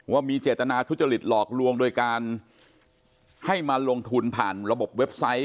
ว่ามีเจตนาทุจริตหลอกลวงโดยการให้มาลงทุนผ่านระบบเว็บไซต์